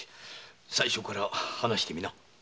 最初から話してみな。